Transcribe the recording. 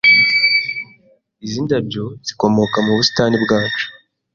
Izi ndabyo zikomoka mu busitani bwacu.